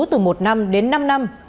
từ một năm đến năm năm